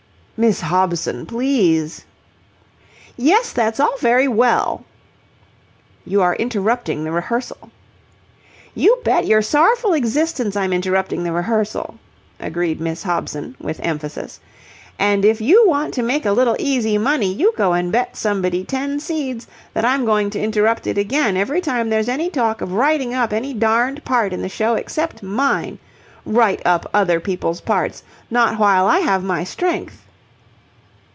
"Miss Hobson! Please!" "Yes, that's all very well..." "You are interrupting the rehearsal." "You bet your sorrowful existence I'm interrupting the rehearsal," agreed Miss Hobson, with emphasis. "And, if you want to make a little easy money, you go and bet somebody ten seeds that I'm going to interrupt it again every time there's any talk of writing up any darned part in the show except mine. Write up other people's parts? Not while I have my strength!"